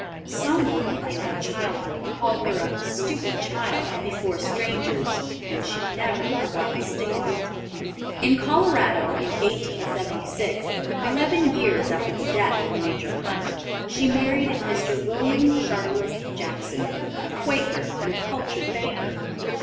Some one, in her childhood, called her a "stupid child" before strangers, and she never forgot the sting of it. In Colorado, in 1876, eleven years after the death of Major Hunt, she married Mr. William Sharpless Jackson, a Quaker and a cultured banker.